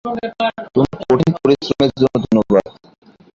তোমার কঠিন পরিশ্রমের জন্য ধন্যবাদ।